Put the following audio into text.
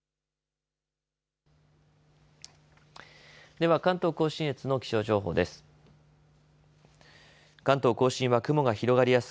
では関東甲信越の気象情報です。